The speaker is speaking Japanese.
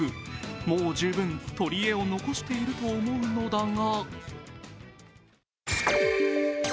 もう十分、取り柄を残していると思うのだが。